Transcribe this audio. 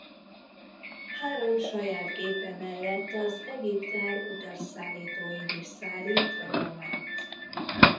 Három saját gépe mellett az EgyptAir utasszállítóin is szállít rakományt.